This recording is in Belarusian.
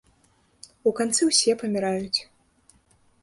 У канцы ўсе паміраюць.